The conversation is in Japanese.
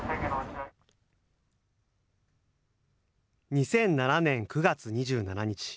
２００７年９月２７日。